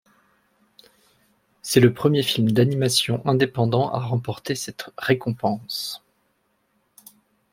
C'est le premier film d'animation indépendant à remporter cette récompense.